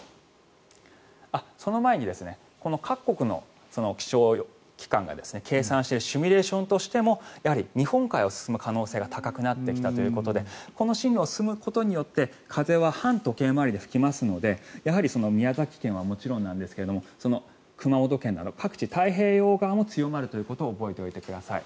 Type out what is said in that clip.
その前に各国の気象機関が計算しているシミュレーションとしても日本海を進む可能性が高くなってきたということでこの進路を進むことによって風は反時計回りで吹きますので宮崎県はもちろんですが熊本県など各地、太平洋側も強まるということを覚えておいてください。